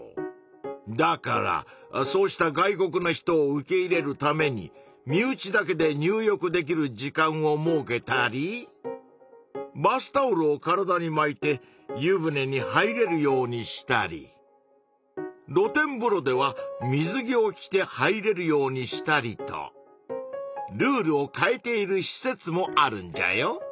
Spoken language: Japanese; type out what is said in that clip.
だからそうした外国の人を受け入れるために身内だけで入浴できる時間を設けたりバスタオルを体にまいて湯船に入れるようにしたりろ天ぶろでは水着を着て入れるようにしたりとルールを変えているし設もあるんじゃよ。